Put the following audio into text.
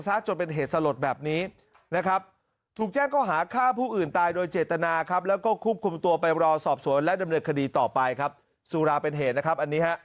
ต่อไปครับสุราเป็นเหตุนะครับอันนี้ครับ